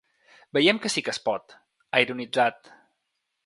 Veiem que sí que es pot, ha ironitzat.